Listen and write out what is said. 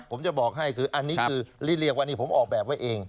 ผมจะบอกให้คืออันนี้คือเรียกว่านี่ผมออกแบบไว้เอง